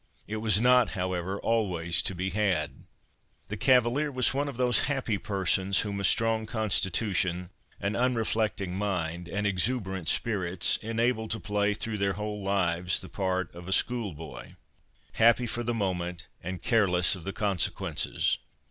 It was not, however, always to be had. The cavalier was one of those happy persons whom a strong constitution, an unreflecting mind, and exuberant spirits, enable to play through their whole lives the part of a school boy—happy for the moment, and careless of consequences.